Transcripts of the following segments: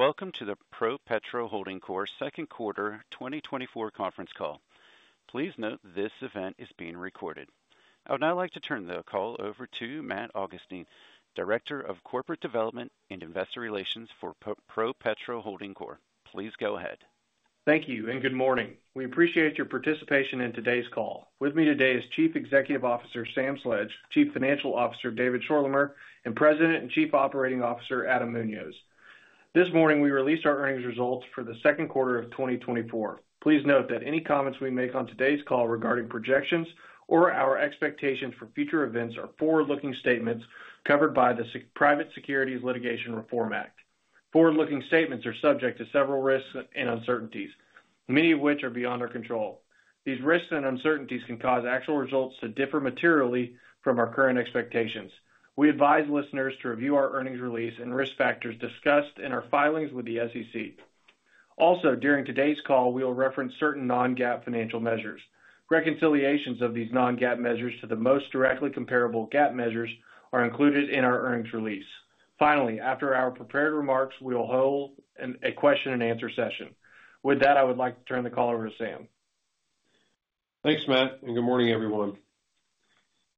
Good day, and welcome to the PROPETRO Holding Corp's second quarter 2024 conference call. Please note this event is being recorded. I would now like to turn the call over to Matt Augustine, Director of Corporate Development and Investor Relations for PROPETRO Holding Corp's. Please go ahead. Thank you, and good morning. We appreciate your participation in today's call. With me today is Chief Executive Officer Sam Sledge, Chief Financial Officer David Schorlemer, and President and Chief Operating Officer Adam Muñoz. This morning, we released our earnings results for the second quarter of 2024. Please note that any comments we make on today's call regarding projections or our expectations for future events are forward-looking statements covered by the Private Securities Litigation Reform Act. Forward-looking statements are subject to several risks and uncertainties, many of which are beyond our control. These risks and uncertainties can cause actual results to differ materially from our current expectations. We advise listeners to review our earnings release and risk factors discussed in our filings with the SEC. Also, during today's call, we will reference certain non-GAAP financial measures. Reconciliations of these non-GAAP measures to the most directly comparable GAAP measures are included in our earnings release. Finally, after our prepared remarks, we will hold a question-and-answer session. With that, I would like to turn the call over to Sam. Thanks, Matt, and good morning, everyone.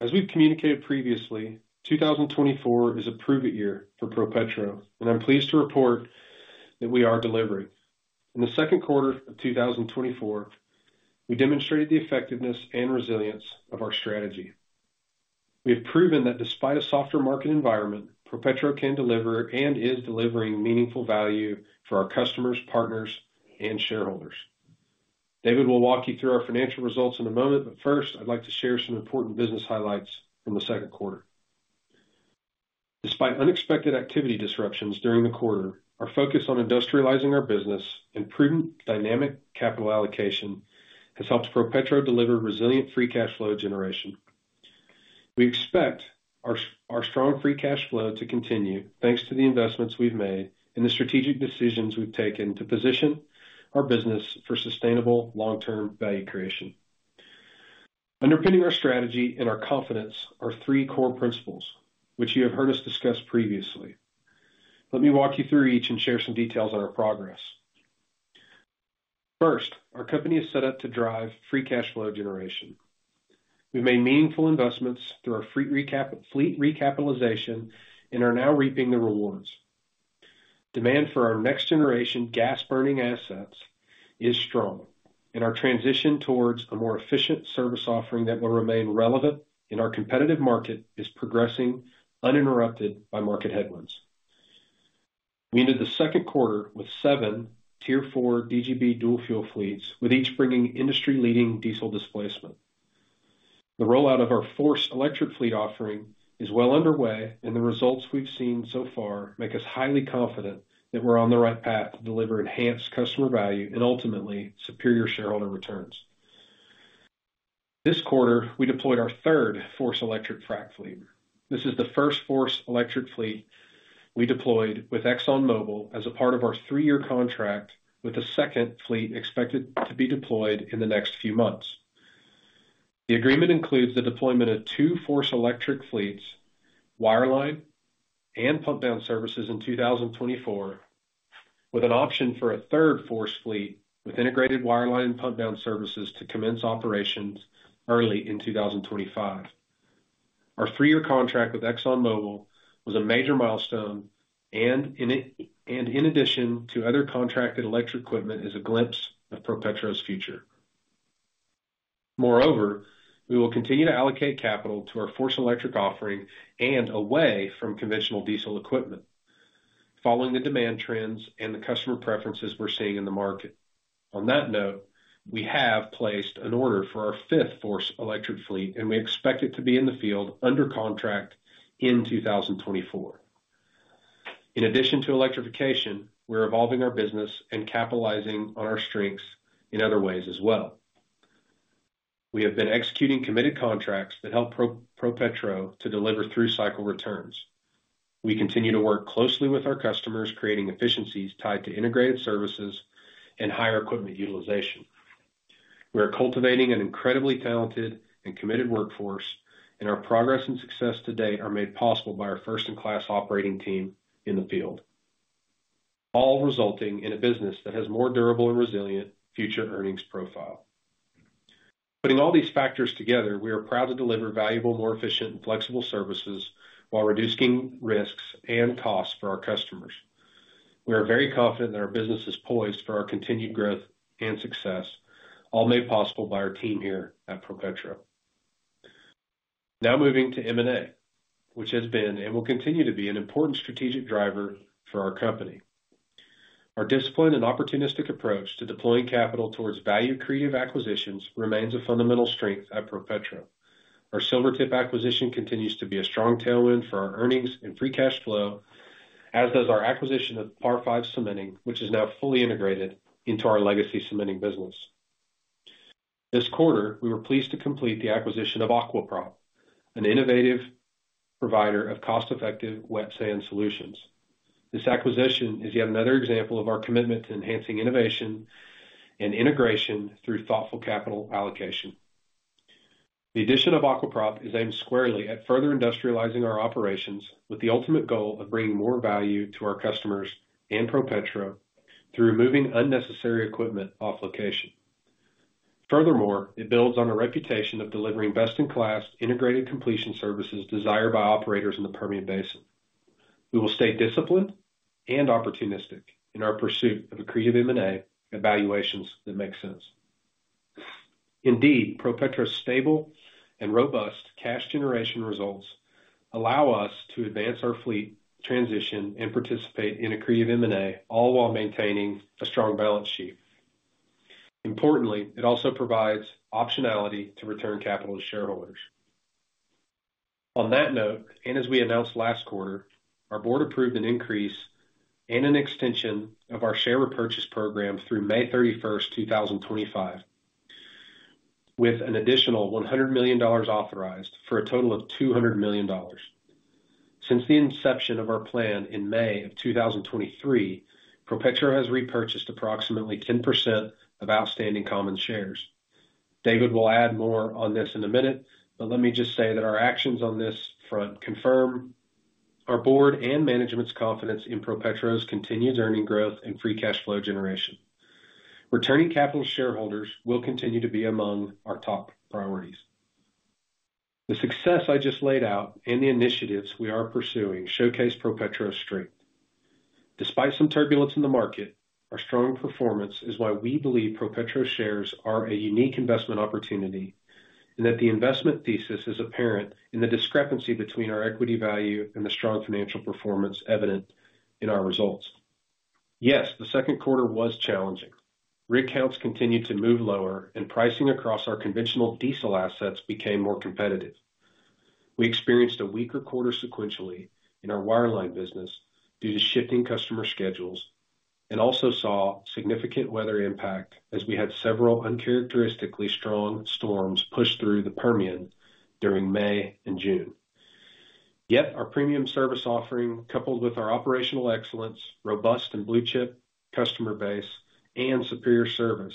As we've communicated previously, 2024 is a prove-it year for PROPETRO, and I'm pleased to report that we are delivering. In the second quarter of 2024, we demonstrated the effectiveness and resilience of our strategy. We have proven that despite a softer market environment, PROPETRO can deliver and is delivering meaningful value for our customers, partners, and shareholders. David will walk you through our financial results in a moment, but first, I'd like to share some important business highlights from the second quarter. Despite unexpected activity disruptions during the quarter, our focus on industrializing our business and prudent, dynamic capital allocation has helped PROPETRO deliver resilient free cash flow generation. We expect our strong free cash flow to continue thanks to the investments we've made and the strategic decisions we've taken to position our business for sustainable long-term value creation. Underpinning our strategy and our confidence are three core principles, which you have heard us discuss previously. Let me walk you through each and share some details on our progress. First, our company is set up to drive free cash flow generation. We've made meaningful investments through our fleet recapitalization and are now reaping the rewards. Demand for our next-generation gas-burning assets is strong, and our transition towards a more efficient service offering that will remain relevant in our competitive market is progressing uninterrupted by market headwinds. We ended the second quarter with seven Tier 4 DGB dual-fuel fleets, with each bringing industry-leading diesel displacement. The rollout of our FORCE electric fleet offering is well underway, and the results we've seen so far make us highly confident that we're on the right path to deliver enhanced customer value and ultimately superior shareholder returns. This quarter, we deployed our third FORCE electric frac fleet. This is the first FORCE electric fleet we deployed with ExxonMobil as a part of our three-year contract, with a second fleet expected to be deployed in the next few months. The agreement includes the deployment of two FORCE electric fleets, wireline, and pump-down services in 2024, with an option for a third FORCE fleet with integrated wireline and pump-down services to commence operations early in 2025. Our three-year contract with ExxonMobil was a major milestone, and in addition to other contracted electric equipment, is a glimpse of PROPETRO's future. Moreover, we will continue to allocate capital to our FORCE electric offering and away from conventional diesel equipment, following the demand trends and the customer preferences we're seeing in the market. On that note, we have placed an order for our fifth FORCE electric fleet, and we expect it to be in the field under contract in 2024. In addition to electrification, we're evolving our business and capitalizing on our strengths in other ways as well. We have been executing committed contracts that help PROPETRO to deliver through cycle returns. We continue to work closely with our customers, creating efficiencies tied to integrated services and higher equipment utilization. We are cultivating an incredibly talented and committed workforce, and our progress and success today are made possible by our first-in-class operating team in the field, all resulting in a business that has a more durable and resilient future earnings profile. Putting all these factors together, we are proud to deliver valuable, more efficient, and flexible services while reducing risks and costs for our customers. We are very confident that our business is poised for our continued growth and success, all made possible by our team here at PROPETRO. Now moving to M&A, which has been and will continue to be an important strategic driver for our company. Our disciplined and opportunistic approach to deploying capital towards value-creative acquisitions remains a fundamental strength at PROPETRO. Our Silvertip acquisition continues to be a strong tailwind for our earnings and free cash flow, as does our acquisition of Par Five Cementing, which is now fully integrated into our legacy cementing business. This quarter, we were pleased to complete the acquisition of Aqua Prop, an innovative provider of cost-effective wet sand solutions. This acquisition is yet another example of our commitment to enhancing innovation and integration through thoughtful capital allocation. The addition of Aqua Prop is aimed squarely at further industrializing our operations, with the ultimate goal of bringing more value to our customers and PROPETRO through removing unnecessary equipment off location. Furthermore, it builds on a reputation of delivering best-in-class integrated completion services desired by operators in the Permian Basin. We will stay disciplined and opportunistic in our pursuit of a creative M&A and evaluations that make sense. Indeed, PROPETRO's stable and robust cash generation results allow us to advance our fleet, transition, and participate in a creative M&A, all while maintaining a strong balance sheet. Importantly, it also provides optionality to return capital to shareholders. On that note, and as we announced last quarter, our board approved an increase and an extension of our share repurchase program through May 31, 2025, with an additional $100 million authorized for a total of $200 million. Since the inception of our plan in May of 2023, PROPETRO has repurchased approximately 10% of outstanding common shares. David will add more on this in a minute, but let me just say that our actions on this front confirm our board and management's confidence in PROPETRO's continued earnings growth and free cash flow generation. Returning capital to shareholders will continue to be among our top priorities. The success I just laid out and the initiatives we are pursuing showcase PROPETRO's strength. Despite some turbulence in the market, our strong performance is why we believe PROPETRO's shares are a unique investment opportunity and that the investment thesis is apparent in the discrepancy between our equity value and the strong financial performance evident in our results. Yes, the second quarter was challenging. Rate counts continued to move lower, and pricing across our conventional diesel assets became more competitive. We experienced a weaker quarter sequentially in our wireline business due to shifting customer schedules and also saw significant weather impact as we had several uncharacteristically strong storms push through the Permian during May and June. Yet, our premium service offering, coupled with our operational excellence, robust and blue-chip customer base, and superior service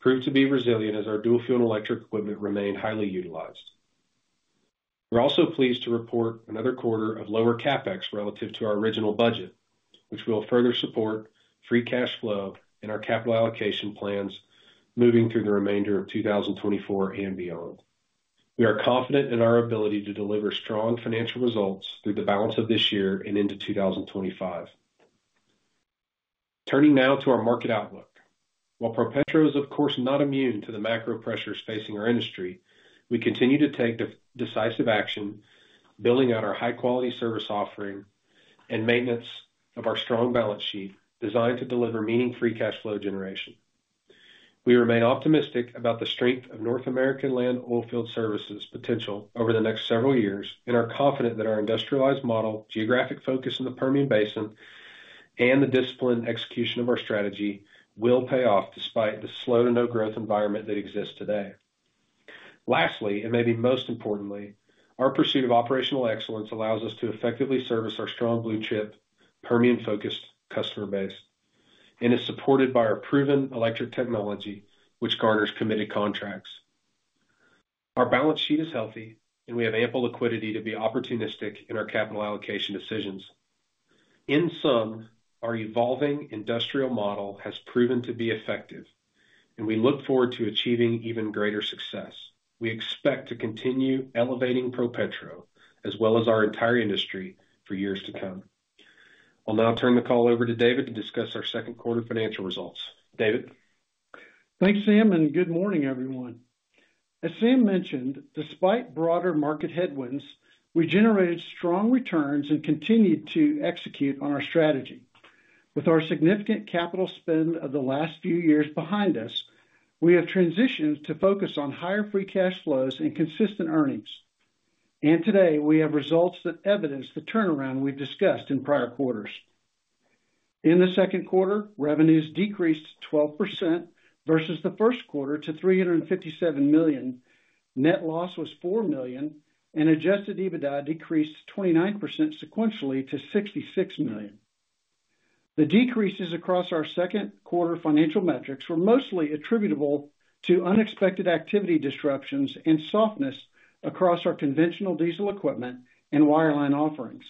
proved to be resilient as our dual-fuel and electric equipment remained highly utilized. We're also pleased to report another quarter of lower CapEx relative to our original budget, which will further support free cash flow and our capital allocation plans moving through the remainder of 2024 and beyond. We are confident in our ability to deliver strong financial results through the balance of this year and into 2025. Turning now to our market outlook, while PROPETRO is, of course, not immune to the macro pressures facing our industry, we continue to take decisive action, building out our high-quality service offering and maintenance of our strong balance sheet designed to deliver meaningful free cash flow generation. We remain optimistic about the strength of North American Land Oilfield Services' potential over the next several years and are confident that our industrialized model, geographic focus in the Permian Basin, and the disciplined execution of our strategy will pay off despite the slow-to-no-growth environment that exists today. Lastly, and maybe most importantly, our pursuit of operational excellence allows us to effectively service our strong blue-chip Permian-focused customer base and is supported by our proven electric technology, which garners committed contracts. Our balance sheet is healthy, and we have ample liquidity to be opportunistic in our capital allocation decisions. In sum, our evolving industrial model has proven to be effective, and we look forward to achieving even greater success. We expect to continue elevating PROPETRO as well as our entire industry for years to come. I'll now turn the call over to David to discuss our second quarter financial results. David. Thanks, Sam, and good morning, everyone. As Sam mentioned, despite broader market headwinds, we generated strong returns and continued to execute on our strategy. With our significant capital spend of the last few years behind us, we have transitioned to focus on higher free cash flows and consistent earnings. And today, we have results that evidence the turnaround we've discussed in prior quarters. In the second quarter, revenues decreased 12% versus the first quarter to $357 million. Net loss was $4 million, and adjusted EBITDA decreased 29% sequentially to $66 million. The decreases across our second quarter financial metrics were mostly attributable to unexpected activity disruptions and softness across our conventional diesel equipment and wireline offerings,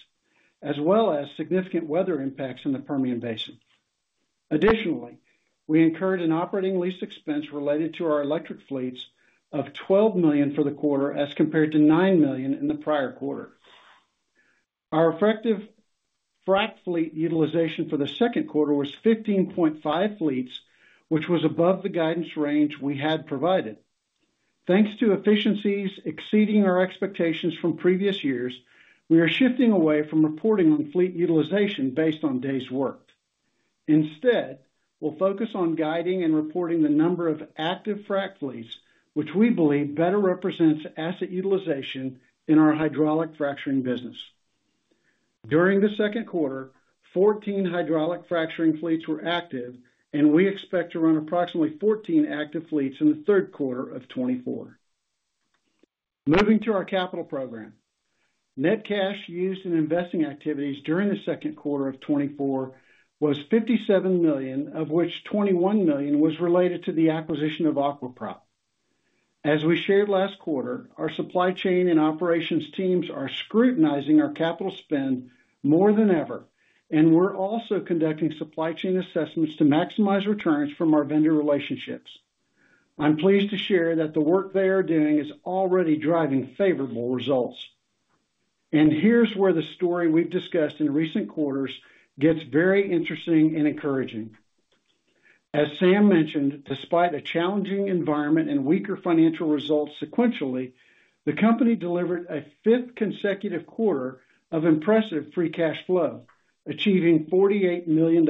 as well as significant weather impacts in the Permian Basin. Additionally, we incurred an operating lease expense related to our electric fleets of $12 million for the quarter as compared to $9 million in the prior quarter. Our effective frac fleet utilization for the second quarter was 15.5 fleets, which was above the guidance range we had provided. Thanks to efficiencies exceeding our expectations from previous years, we are shifting away from reporting on fleet utilization based on days worked. Instead, we'll focus on guiding and reporting the number of active frac fleets, which we believe better represents asset utilization in our hydraulic fracturing business. During the second quarter, 14 hydraulic fracturing fleets were active, and we expect to run approximately 14 active fleets in the third quarter of 2024. Moving to our capital program, net cash used in investing activities during the second quarter of 2024 was $57 million, of which $21 million was related to the acquisition of Aqua Prop. As we shared last quarter, our supply chain and operations teams are scrutinizing our capital spend more than ever, and we're also conducting supply chain assessments to maximize returns from our vendor relationships. I'm pleased to share that the work they are doing is already driving favorable results. Here's where the story we've discussed in recent quarters gets very interesting and encouraging. As Sam mentioned, despite a challenging environment and weaker financial results sequentially, the company delivered a fifth consecutive quarter of impressive free cash flow, achieving $48 million,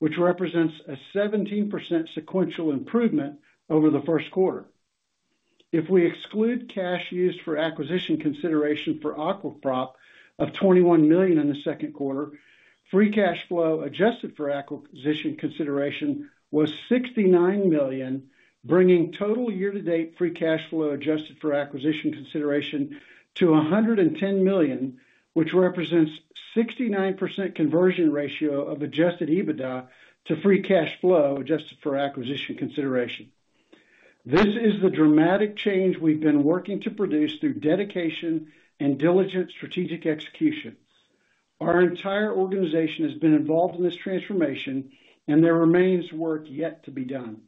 which represents a 17% sequential improvement over the first quarter. If we exclude cash used for acquisition consideration for Aqua Prop of $21 million in the second quarter, free cash flow adjusted for acquisition consideration was $69 million, bringing total year-to-date free cash flow adjusted for acquisition consideration to $110 million, which represents a 69% conversion ratio of adjusted EBITDA to free cash flow adjusted for acquisition consideration. This is the dramatic change we've been working to produce through dedication and diligent strategic execution. Our entire organization has been involved in this transformation, and there remains work yet to be done.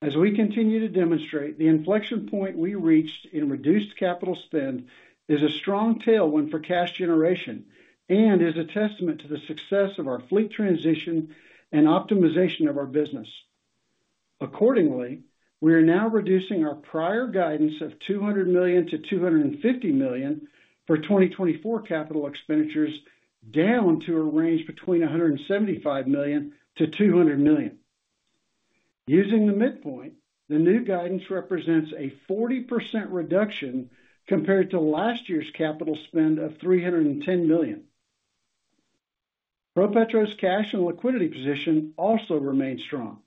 As we continue to demonstrate, the inflection point we reached in reduced capital spend is a strong tailwind for cash generation and is a testament to the success of our fleet transition and optimization of our business. Accordingly, we are now reducing our prior guidance of $200 million-$250 million for 2024 capital expenditures down to a range between $175 million-$200 million. Using the midpoint, the new guidance represents a 40% reduction compared to last year's capital spend of $310 million. PROPETRO's cash and liquidity position also remained strong.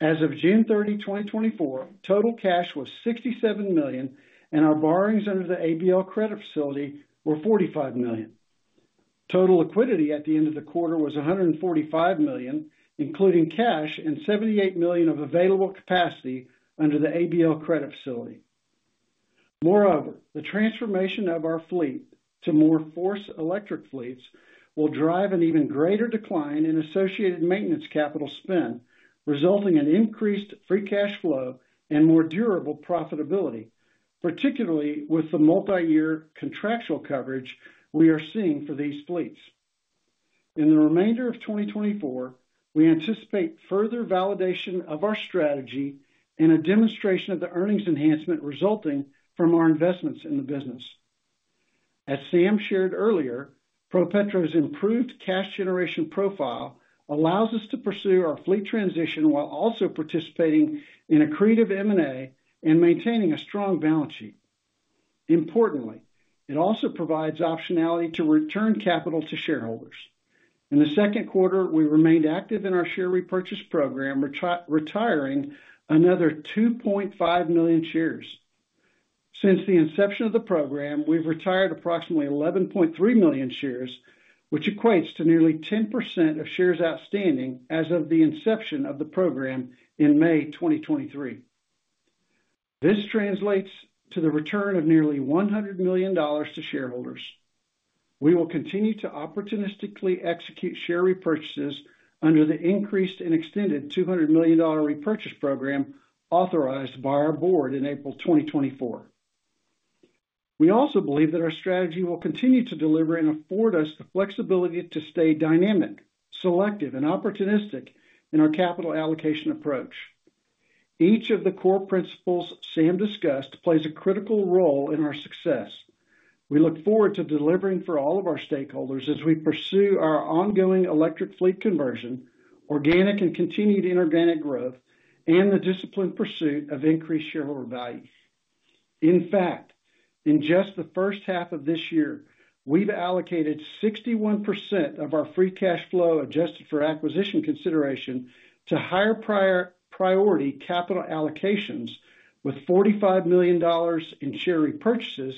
As of June 30, 2024, total cash was $67 million, and our borrowings under the ABL credit facility were $45 million. Total liquidity at the end of the quarter was $145 million, including cash and $78 million of available capacity under the ABL credit facility. Moreover, the transformation of our fleet to more FORCE electric fleets will drive an even greater decline in associated maintenance capital spend, resulting in increased free cash flow and more durable profitability, particularly with the multi-year contractual coverage we are seeing for these fleets. In the remainder of 2024, we anticipate further validation of our strategy and a demonstration of the earnings enhancement resulting from our investments in the business. As Sam shared earlier, PROPETRO's improved cash generation profile allows us to pursue our fleet transition while also participating in a creative M&A and maintaining a strong balance sheet. Importantly, it also provides optionality to return capital to shareholders. In the second quarter, we remained active in our share repurchase program, retiring another 2.5 million shares. Since the inception of the program, we've retired approximately 11.3 million shares, which equates to nearly 10% of shares outstanding as of the inception of the program in May 2023. This translates to the return of nearly $100 million to shareholders. We will continue to opportunistically execute share repurchases under the increased and extended $200 million repurchase program authorized by our board in April 2024. We also believe that our strategy will continue to deliver and afford us the flexibility to stay dynamic, selective, and opportunistic in our capital allocation approach. Each of the core principles Sam discussed plays a critical role in our success. We look forward to delivering for all of our stakeholders as we pursue our ongoing electric fleet conversion, organic and continued inorganic growth, and the disciplined pursuit of increased shareholder value. In fact, in just the first half of this year, we've allocated 61% of our free cash flow adjusted for acquisition consideration to higher priority capital allocations with $45 million in share repurchases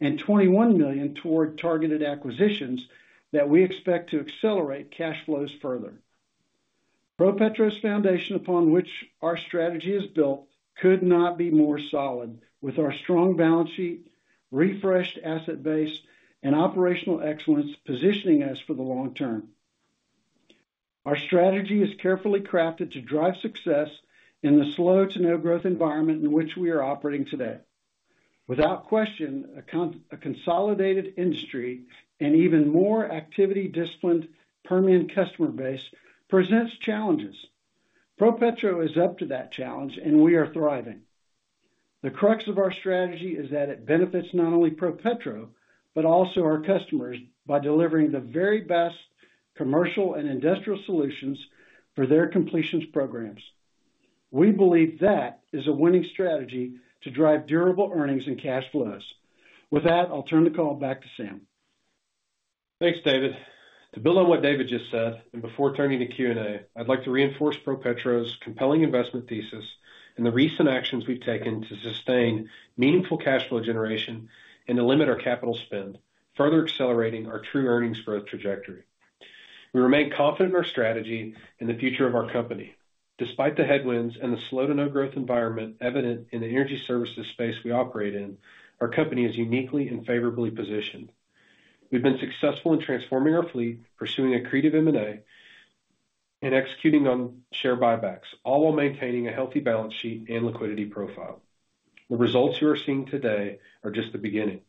and $21 million toward targeted acquisitions that we expect to accelerate cash flows further. PROPETRO's foundation upon which our strategy is built could not be more solid, with our strong balance sheet, refreshed asset base, and operational excellence positioning us for the long term. Our strategy is carefully crafted to drive success in the slow-to-no-growth environment in which we are operating today. Without question, a consolidated industry and even more activity-disciplined Permian customer base presents challenges. PROPETRO is up to that challenge, and we are thriving. The crux of our strategy is that it benefits not only PROPETRO, but also our customers by delivering the very best commercial and industrial solutions for their completions programs. We believe that is a winning strategy to drive durable earnings and cash flows. With that, I'll turn the call back to Sam. Thanks, David. To build on what David just said, and before turning to Q&A, I'd like to reinforce PROPETRO's compelling investment thesis and the recent actions we've taken to sustain meaningful cash flow generation and to limit our capital spend, further accelerating our true earnings growth trajectory. We remain confident in our strategy and the future of our company. Despite the headwinds and the slow-to-no-growth environment evident in the energy services space we operate in, our company is uniquely and favorably positioned. We've been successful in transforming our fleet, pursuing a creative M&A, and executing on share buybacks, all while maintaining a healthy balance sheet and liquidity profile. The results you are seeing today are just the beginning.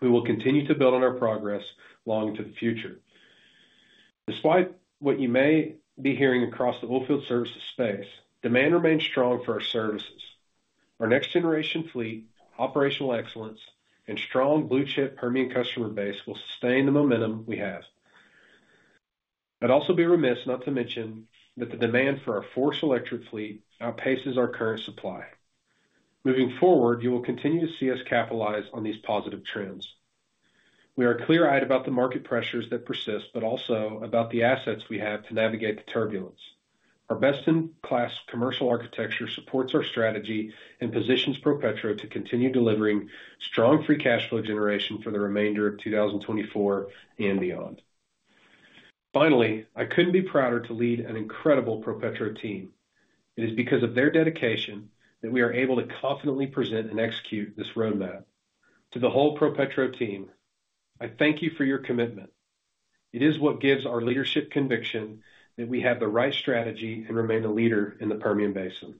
We will continue to build on our progress long into the future. Despite what you may be hearing across the oilfield services space, demand remains strong for our services. Our next-generation fleet, operational excellence, and strong blue-chip Permian customer base will sustain the momentum we have. I'd also be remiss not to mention that the demand for our FORCE electric fleet outpaces our current supply. Moving forward, you will continue to see us capitalize on these positive trends. We are clear-eyed about the market pressures that persist, but also about the assets we have to navigate the turbulence. Our best-in-class commercial architecture supports our strategy and positions PROPETRO to continue delivering strong free cash flow generation for the remainder of 2024 and beyond. Finally, I couldn't be prouder to lead an incredible PROPETRO team. It is because of their dedication that we are able to confidently present and execute this roadmap. To the whole PROPETRO team, I thank you for your commitment. It is what gives our leadership conviction that we have the right strategy and remain a leader in the Permian Basin.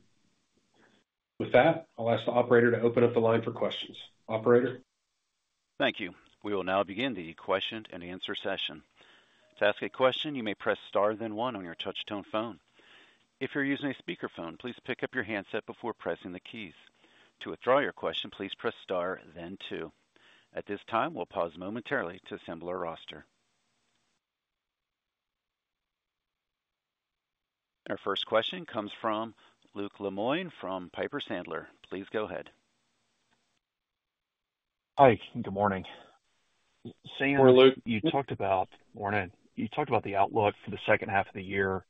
With that, I'll ask the operator to open up the line for questions. Operator. Thank you. We will now begin the question and answer session. To ask a question, you may press star then one on your touch-tone phone. If you're using a speakerphone, please pick up your handset before pressing the keys. To withdraw your question, please press star then two. At this time, we'll pause momentarily to assemble our roster. Our first question comes from Luke Lemoine from Piper Sandler. Please go ahead' Hi. Good morning. Sam, you talked about the outlook for the second half of the year,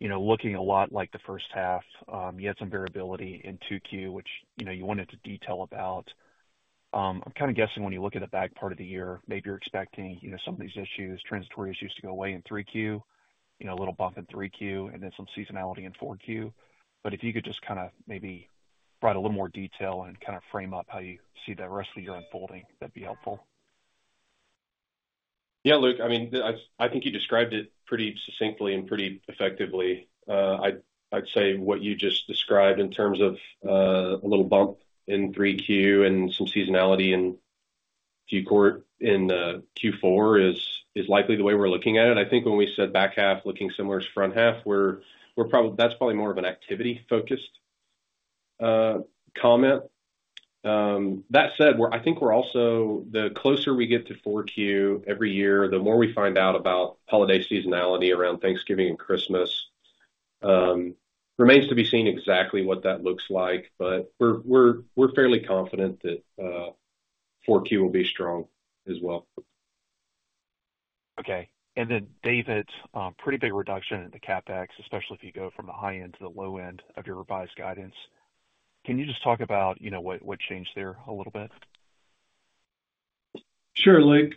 looking a lot like the first half. You had some variability in 2Q, which you wanted to detail about. I'm kind of guessing when you look at the back part of the year, maybe you're expecting some of these issues, transitory issues to go away in 3Q, a little bump in 3Q, and then some seasonality in 4Q. But if you could just kind of maybe provide a little more detail and kind of frame up how you see the rest of the year unfolding, that'd be helpful. Yeah, Luke, I mean, I think you described it pretty succinctly and pretty effectively. I'd say what you just described in terms of a little bump in 3Q and some seasonality in Q4 is likely the way we're looking at it. I think when we said back half looking similar to front half, that's probably more of an activity-focused comment. That said, I think the closer we get to 4Q every year, the more we find out about holiday seasonality around Thanksgiving and Christmas. Remains to be seen exactly what that looks like, but we're fairly confident that 4Q will be strong as well. Okay. And then, David, pretty big reduction in the CapEx, especially if you go from the high end to the low end of your revised guidance. Can you just talk about what changed there a little bit? Sure, Luke.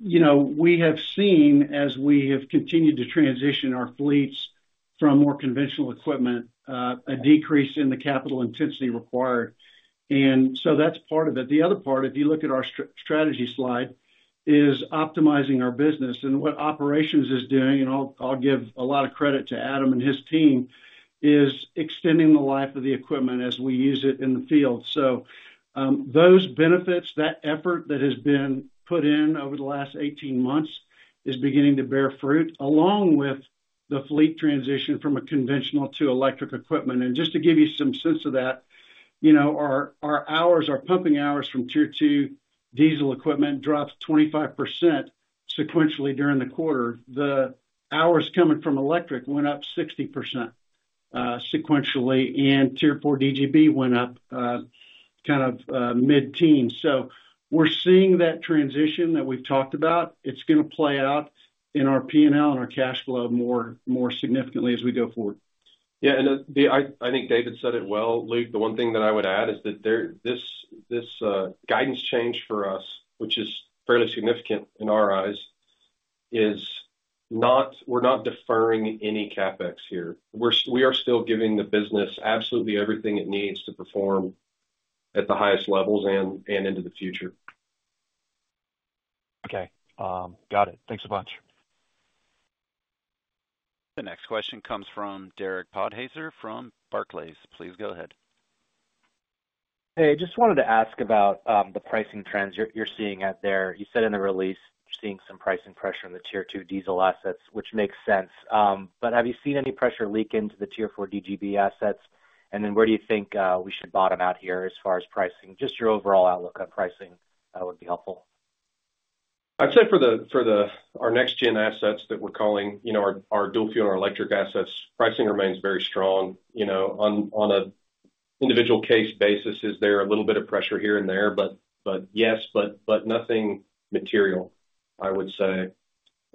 We have seen, as we have continued to transition our fleets from more conventional equipment, a decrease in the capital intensity required. And so that's part of it. The other part, if you look at our strategy slide, is optimizing our business. And what Operations is doing, and I'll give a lot of credit to Adam and his team, is extending the life of the equipment as we use it in the field. So those benefits, that effort that has been put in over the last 18 months, is beginning to bear fruit along with the fleet transition from a conventional to electric equipment. And just to give you some sense of that, our pumping hours from Tier 2 diesel equipment dropped 25% sequentially during the quarter. The hours coming from electric went up 60% sequentially, and Tier 4 DGB went up kind of mid-teen. So we're seeing that transition that we've talked about. It's going to play out in our P&L and our cash flow more significantly as we go forward. Yeah. I think David said it well. Luke, the one thing that I would add is that this guidance change for us, which is fairly significant in our eyes, we're not deferring any CapEx here. We are still giving the business absolutely everything it needs to perform at the highest levels and into the future. Okay. Got it. Thanks a bunch. The next question comes from Derek Podhaizer from Barclays. Please go ahead. Hey, I just wanted to ask about the pricing trends you're seeing out there. You said in the release you're seeing some pricing pressure on the Tier 2 diesel assets, which makes sense. But have you seen any pressure leak into the Tier 4 DGB assets? And then where do you think we should bottom out here as far as pricing? Just your overall outlook on pricing would be helpful. I'd say for our next-gen assets that we're calling our dual-fuel and our electric assets, pricing remains very strong. On an individual case basis, is there a little bit of pressure here and there? But yes, but nothing material, I would say.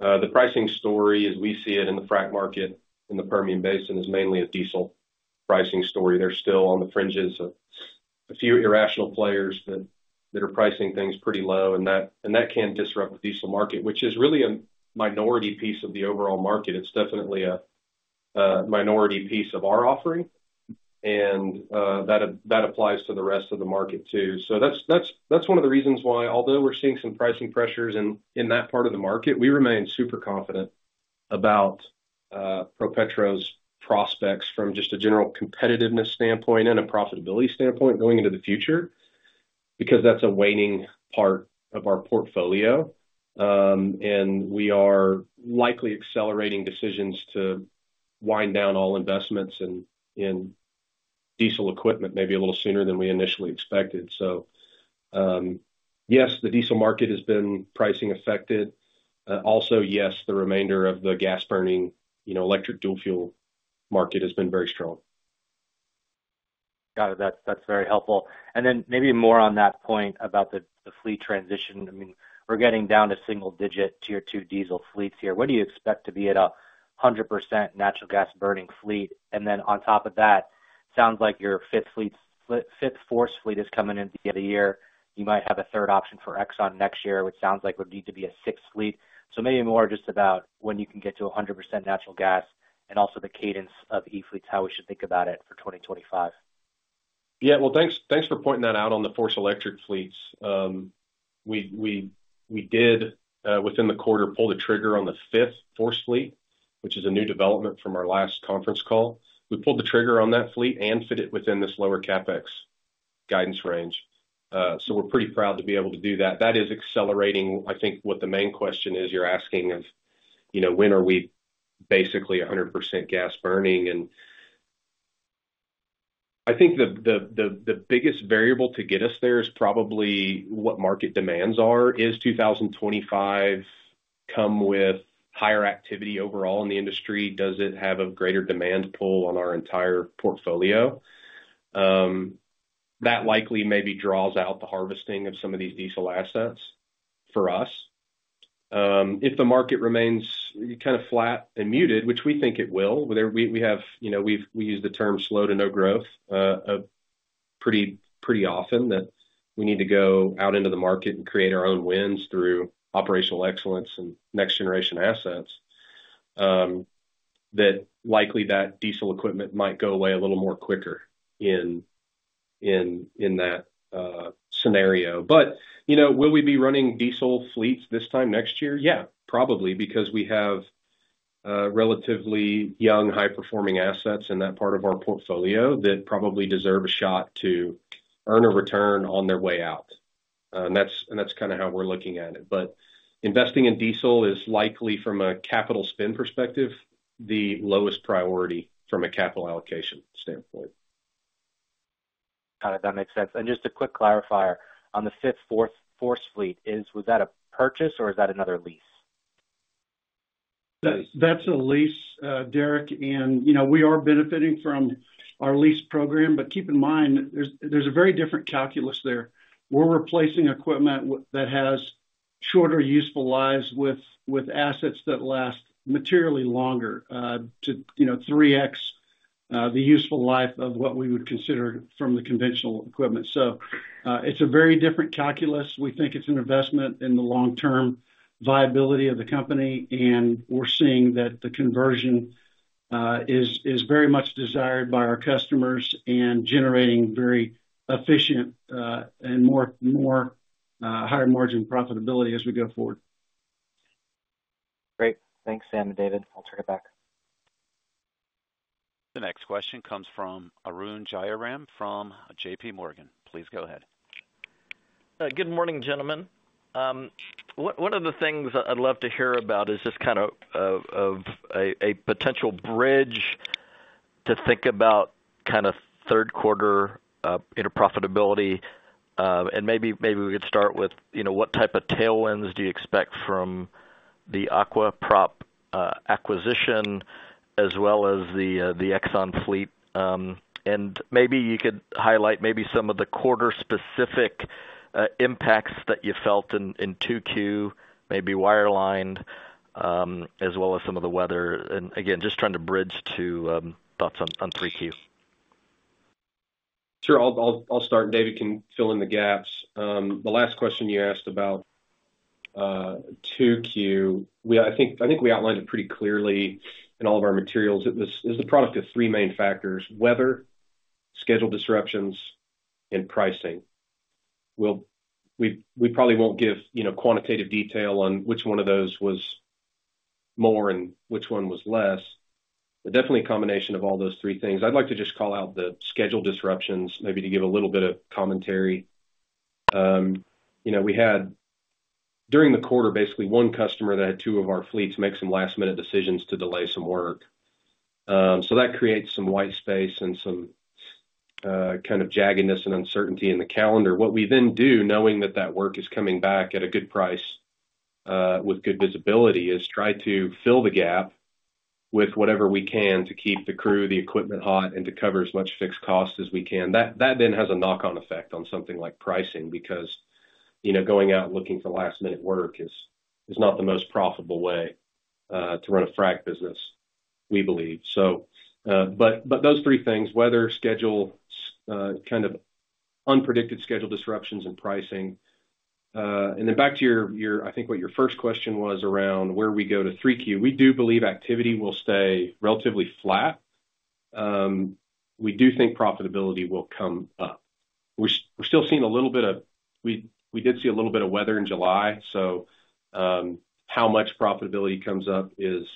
The pricing story, as we see it in the frac market in the Permian Basin, is mainly a diesel pricing story. They're still on the fringes of a few irrational players that are pricing things pretty low, and that can disrupt the diesel market, which is really a minority piece of the overall market. It's definitely a minority piece of our offering, and that applies to the rest of the market too. So that's one of the reasons why, although we're seeing some pricing pressures in that part of the market, we remain super confident about PROPETRO's prospects from just a general competitiveness standpoint and a profitability standpoint going into the future because that's a waning part of our portfolio. And we are likely accelerating decisions to wind down all investments in diesel equipment maybe a little sooner than we initially expected. So yes, the diesel market has been pricing affected. Also, yes, the remainder of the gas-burning electric dual-fuel market has been very strong. Got it. That's very helpful. And then maybe more on that point about the fleet transition. I mean, we're getting down to single-digit Tier 2 diesel fleets here. What do you expect to be at a 100% natural gas-burning fleet? And then on top of that, it sounds like your fifth FORCE fleet is coming in the end of the year. You might have a third option for Exxon next year, which sounds like would need to be a sixth fleet. So maybe more just about when you can get to 100% natural gas and also the cadence of e-fleets, how we should think about it for 2025. Yeah. Well, thanks for pointing that out on the FORCE electric fleets. We did, within the quarter, pull the trigger on the fifth FORCE fleet, which is a new development from our last conference call. We pulled the trigger on that fleet and fit it within this lower CapEx guidance range. So we're pretty proud to be able to do that. That is accelerating, I think, what the main question is you're asking of when are we basically 100% gas burning. And I think the biggest variable to get us there is probably what market demands are. Is 2025 come with higher activity overall in the industry? Does it have a greater demand pull on our entire portfolio? That likely maybe draws out the harvesting of some of these diesel assets for us. If the market remains kind of flat and muted, which we think it will, we use the term slow-to-no-growth pretty often, that we need to go out into the market and create our own wins through operational excellence and next-generation assets, that likely diesel equipment might go away a little more quicker in that scenario. But will we be running diesel fleets this time next year? Yeah, probably, because we have relatively young, high-performing assets in that part of our portfolio that probably deserve a shot to earn a return on their way out. And that's kind of how we're looking at it. But investing in diesel is likely, from a capital spend perspective, the lowest priority from a capital allocation standpoint. Got it. That makes sense. Just a quick clarifier on the FORCE fleet, was that a purchase or is that another lease? That's a lease, Derek. We are benefiting from our lease program, but keep in mind, there's a very different calculus there. We're replacing equipment that has shorter useful lives with assets that last materially longer to 3x the useful life of what we would consider from the conventional equipment. So it's a very different calculus. We think it's an investment in the long-term viability of the company, and we're seeing that the conversion is very much desired by our customers and generating very efficient and more higher margin profitability as we go forward. Great. Thanks, Sam and David. I'll turn it back. The next question comes from Arun Jayaram from J.P. Morgan. Please go ahead. Good morning, gentlemen. One of the things I'd love to hear about is just kind of a potential bridge to think about kind of third quarter profitability. Maybe we could start with what type of tailwinds do you expect from the Aqua Prop acquisition as well as the Exxon fleet? Maybe you could highlight maybe some of the quarter-specific impacts that you felt in 2Q, maybe wireline, as well as some of the weather. Again, just trying to bridge to thoughts on 3Q. Sure. I'll start, and David can fill in the gaps. The last question you asked about 2Q, I think we outlined it pretty clearly in all of our materials. It was the product of three main factors: weather, schedule disruptions, and pricing. We probably won't give quantitative detail on which one of those was more and which one was less, but definitely a combination of all those three things. I'd like to just call out the schedule disruptions, maybe to give a little bit of commentary. We had, during the quarter, basically one customer that had two of our fleets make some last-minute decisions to delay some work. So that creates some white space and some kind of jaggedness and uncertainty in the calendar. What we then do, knowing that that work is coming back at a good price with good visibility, is try to fill the gap with whatever we can to keep the crew, the equipment hot, and to cover as much fixed cost as we can. That then has a knock-on effect on something like pricing because going out looking for last-minute work is not the most profitable way to run a frac business, we believe. But those three things: weather, schedule, kind of unpredicted schedule disruptions, and pricing. And then back to your, I think, what your first question was around where we go to 3Q. We do believe activity will stay relatively flat. We do think profitability will come up. We're still seeing a little bit of weather in July. So how much profitability comes up is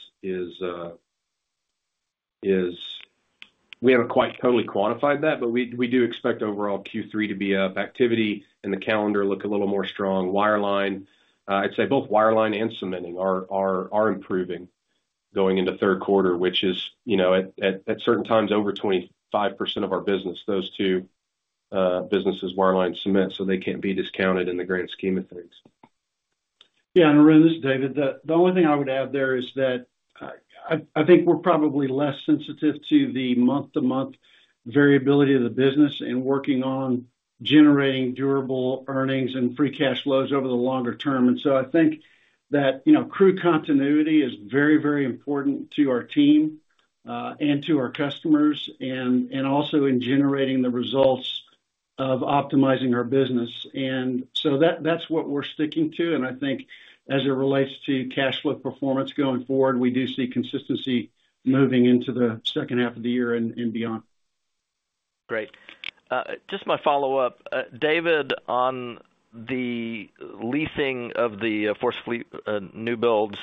we haven't quite totally quantified that, but we do expect overall Q3 to be up. Activity in the calendar look a little more strong. Wireline, I'd say both wireline and cementing are improving going into third quarter, which is at certain times over 25% of our business. Those two businesses, wireline and cement, so they can't be discounted in the grand scheme of things. Yeah. And around this, David, the only thing I would add there is that I think we're probably less sensitive to the month-to-month variability of the business and working on generating durable earnings and free cash flows over the longer term. And so I think that crew continuity is very, very important to our team and to our customers and also in generating the results of optimizing our business. And so that's what we're sticking to. And I think as it relates to cash flow performance going forward, we do see consistency moving into the second half of the year and beyond. Great. Just my follow-up, David, on the leasing of the FORCE fleet new builds,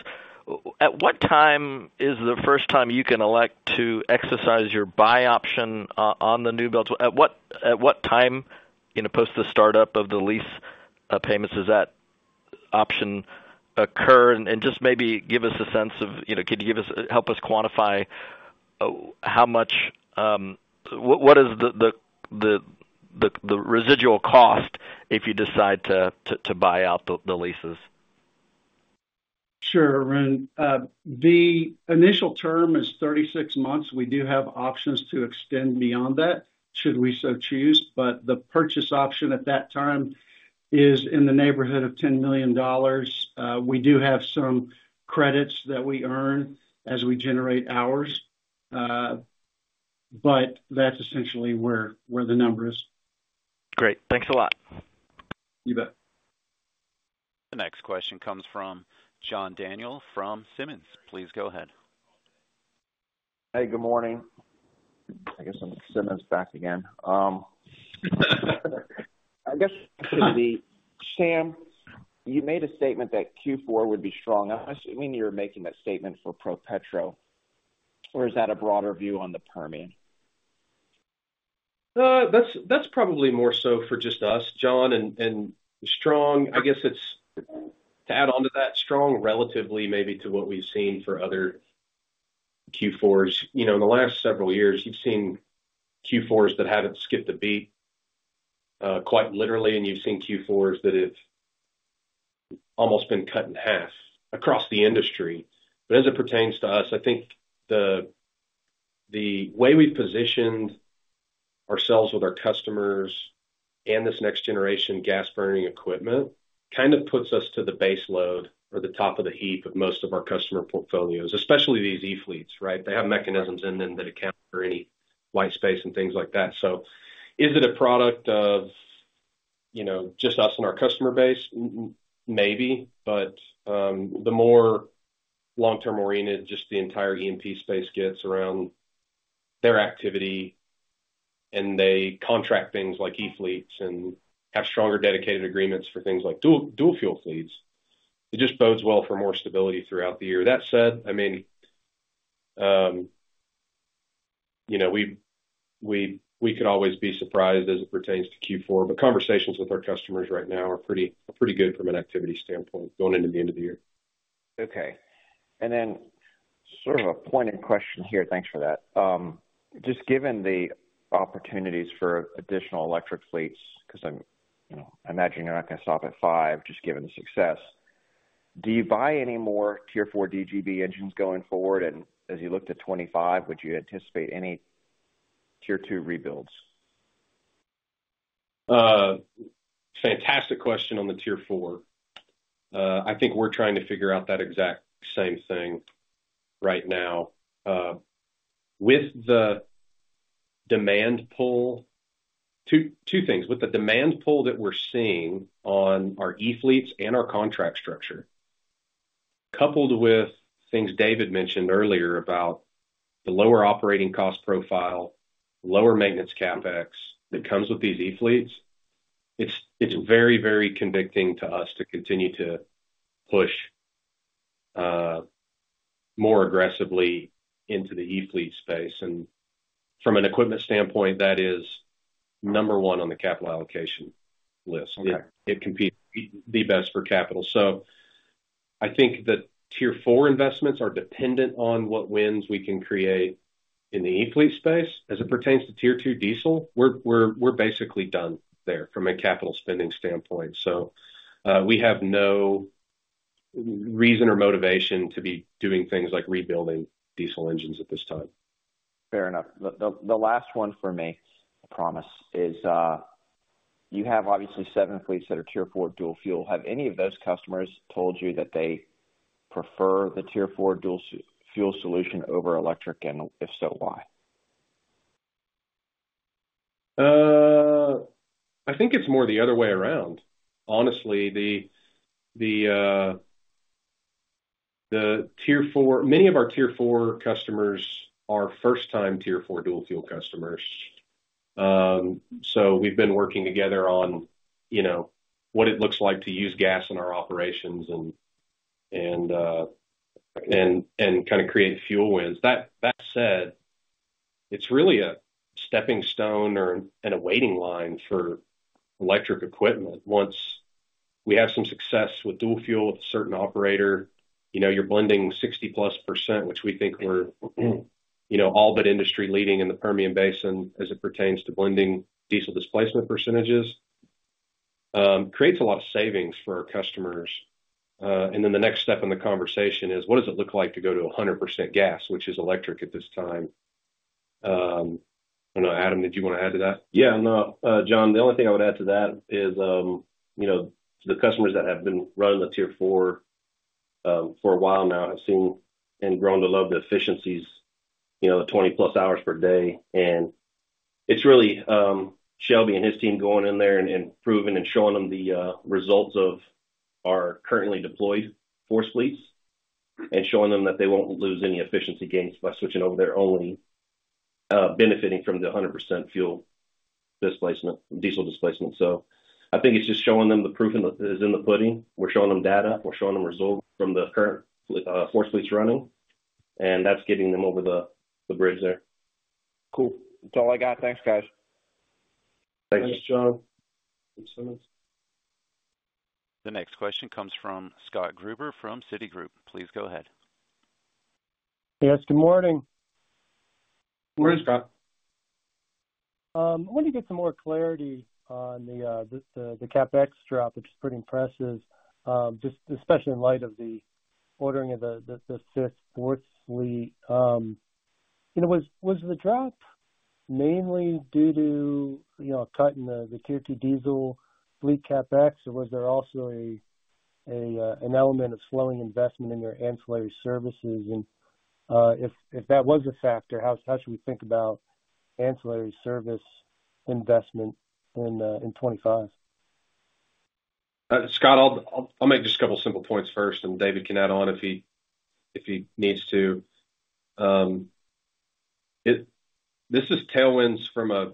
at what time is the first time you can elect to exercise your buy option on the new builds? At what time, post the startup of the lease payments, does that option occur? And just maybe give us a sense of could you help us quantify how much what is the residual cost if you decide to buy out the leases? Sure. The initial term is 36 months. We do have options to extend beyond that should we so choose. But the purchase option at that time is in the neighborhood of $10 million. We do have some credits that we earn as we generate hours, but that's essentially where the number is. Great. Thanks a lot. You bet. The next question comes from John Daniel from Simmons. Please go ahead. Hey, good morning. I guess I'm Simmons back again. I guess for the Sam, you made a statement that Q4 would be strong. I assume you were making that statement for PROPETRO. Or is that a broader view on the Permian? That's probably more so for just us, John and strong. I guess it's to add on to that, strong relatively maybe to what we've seen for other Q4s. In the last several years, you've seen Q4s that haven't skipped a beat quite literally, and you've seen Q4s that have almost been cut in half across the industry. But as it pertains to us, I think the way we've positioned ourselves with our customers and this next-generation gas-burning equipment kind of puts us to the baseload or the top of the heap of most of our customer portfolios, especially these e-fleets, right? They have mechanisms in them that account for any white space and things like that. So is it a product of just us and our customer base? Maybe. But the more long-term oriented, just the entire E&P space gets around their activity, and they contract things like e-fleets and have stronger dedicated agreements for things like dual-fuel fleets. It just bodes well for more stability throughout the year. That said, I mean, we could always be surprised as it pertains to Q4, but conversations with our customers right now are pretty good from an activity standpoint going into the end of the year. Okay. Then sort of a pointed question here. Thanks for that. Just given the opportunities for additional electric fleets, because I'm imagining you're not going to stop at 5, just given the success, do you buy any more Tier 4 DGB engines going forward? As you look to 2025, would you anticipate any Tier 2 rebuilds? Fantastic question on the Tier 4. I think we're trying to figure out that exact same thing right now. With the demand pull, two things. With the demand pull that we're seeing on our e-fleets and our contract structure, coupled with things David mentioned earlier about the lower operating cost profile, lower maintenance CapEx that comes with these e-fleets, it's very, very convincing to us to continue to push more aggressively into the e-fleet space. And from an equipment standpoint, that is number one on the capital allocation list. It competes the best for capital. So I think that Tier 4 investments are dependent on what wins we can create in the e-fleet space. As it pertains to Tier 2 diesel, we're basically done there from a capital spending standpoint. So we have no reason or motivation to be doing things like rebuilding diesel engines at this time. Fair enough. The last one for me, I promise, is you have obviously seven fleets that are Tier 4 dual fuel. Have any of those customers told you that they prefer the Tier 4 dual fuel solution over electric? And if so, why? I think it's more the other way around. Honestly, many of our Tier 4 customers are first-time Tier 4 dual fuel customers. So we've been working together on what it looks like to use gas in our operations and kind of create fuel wins. That said, it's really a stepping stone and a waiting line for electric equipment. Once we have some success with dual fuel with a certain operator, you're blending 60+%, which we think we're all but industry-leading in the Permian Basin as it pertains to blending diesel displacement percentages, creates a lot of savings for our customers. And then the next step in the conversation is, what does it look like to go to 100% gas, which is electric at this time? I don't know. Adam, did you want to add to that? Yeah. No, John, the only thing I would add to that is the customers that have been running the Tier 4 for a while now have seen and grown to love the efficiencies, the 20-plus hours per day. And it's really Shelby and his team going in there and proving and showing them the results of our currently deployed FORCE fleets and showing them that they won't lose any efficiency gains by switching over there, only benefiting from the 100% fuel displacement, diesel displacement. So I think it's just showing them the proof is in the pudding. We're showing them data. We're showing them results from the current FORCE fleets running. And that's getting them over the bridge there. Cool. That's all I got. Thanks, guys. Thanks, John. [Thanks, Simmons.] The next question comes from Scott Gruber from Citigroup. Please go ahead. Hey, guys. Good morning. Morning, Scott. I wanted to get some more clarity on the CapEx drop, which is pretty impressive, just especially in light of the ordering of the fifth, FORCE fleet. Was the drop mainly due to a cut in the Tier 2 diesel fleet CapEx, or was there also an element of slowing investment in your ancillary services? And if that was a factor, how should we think about ancillary service investment in 2025? Scott, I'll make just a couple of simple points first, and David can add on if he needs to. This is tailwinds from a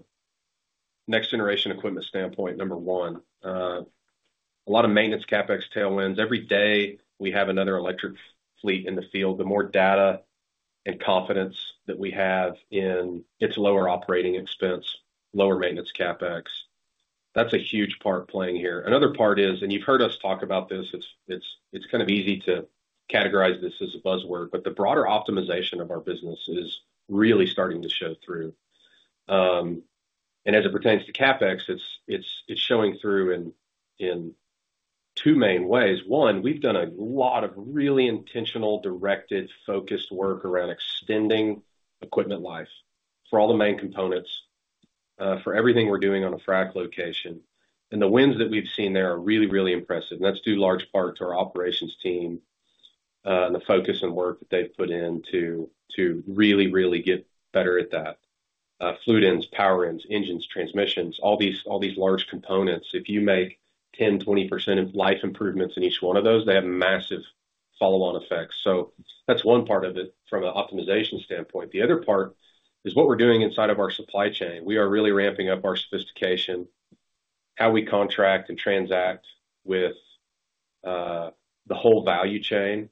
next-generation equipment standpoint, number one. A lot of maintenance CapEx tailwinds. Every day we have another electric fleet in the field. The more data and confidence that we have in its lower operating expense, lower maintenance CapEx, that's a huge part playing here. Another part is, and you've heard us talk about this. It's kind of easy to categorize this as a buzzword, but the broader optimization of our business is really starting to show through. As it pertains to CapEx, it's showing through in two main ways. One, we've done a lot of really intentional, directed, focused work around extending equipment life for all the main components, for everything we're doing on a frac location. The wins that we've seen there are really, really impressive. That's due in large part to our operations team and the focus and work that they've put in to really, really get better at that: fluid ends, power ends, engines, transmissions, all these large components. If you make 10%-20% life improvements in each one of those, they have massive follow-on effects. That's one part of it from an optimization standpoint. The other part is what we're doing inside of our supply chain. We are really ramping up our sophistication, how we contract and transact with the whole value chain,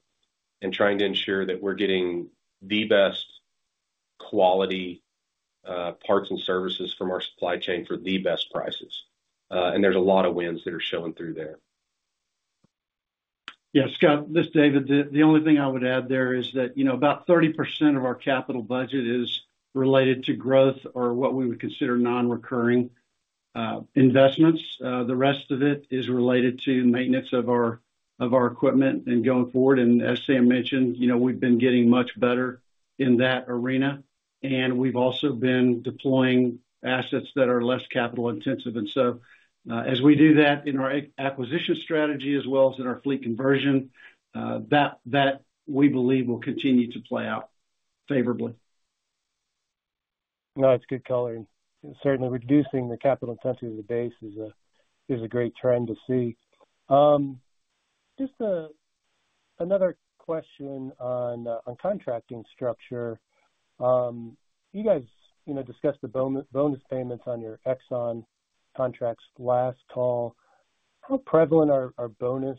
and trying to ensure that we're getting the best quality parts and services from our supply chain for the best prices. There's a lot of wins that are showing through there. Yeah. Scott, this is David. The only thing I would add there is that about 30% of our capital budget is related to growth or what we would consider non-recurring investments. The rest of it is related to maintenance of our equipment and going forward. And as Sam mentioned, we've been getting much better in that arena. And we've also been deploying assets that are less capital-intensive. And so as we do that in our acquisition strategy as well as in our fleet conversion, that we believe will continue to play out favorably. No, that's good coloring. Certainly, reducing the capital intensity of the base is a great trend to see. Just another question on contracting structure. You guys discussed the bonus payments on your Exxon contracts last call. How prevalent are bonus